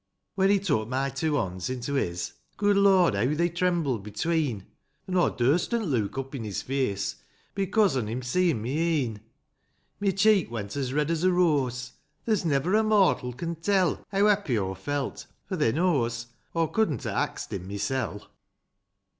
II. When he took my two bonds into his. Good Lord, heaw they trembled between ; An' aw durstn't look up in his face, Becose" on him seein' my e'en ; My cheek went as red as a rose ;— There's never a mortal can tell Heaw happy aw felt ; for, thae knows. Aw couldn't ha' axed^ him mysel'.